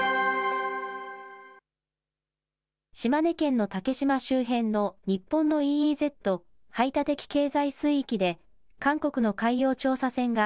島根県の竹島周辺の日本のＥＥＺ・排他的経済水域で、韓国の海洋調査船が、